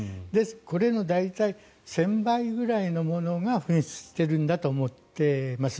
これの１０００倍ぐらいのものが噴出しているんだと思っています。